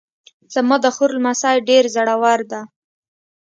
زما د خور لمسی ډېر زړور ده